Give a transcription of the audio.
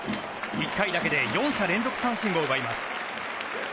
１回だけで４者連続三振を奪います。